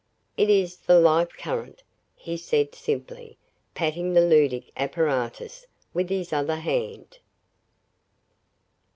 "It is the life current," he said simply, patting the Leduc apparatus with his other hand.